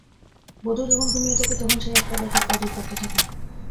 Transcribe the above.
বোধ হয় যখন ঘুমিয়ে থাকি তখন সেই একটা ব্যথা পাঁজর কাটতে থাকে।